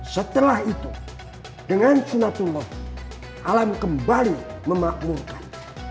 setelah itu dengan sunatullah alam kembali memakmurkan